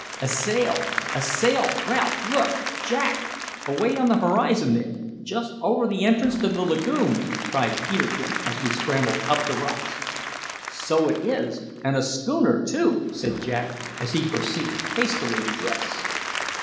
"A sail! a sail Ralph, look Jack, away on the horizon there, just over the entrance to the lagoon!" cried Peterkin as we scrambled up the rocks. "So it is and a schooner, too!" said Jack as he proceeded hastily to dress.